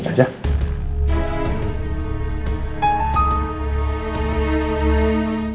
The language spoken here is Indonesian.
jadi nggak boleh voy